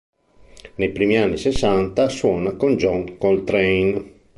Nei primi anni sessanta suona con John Coltrane.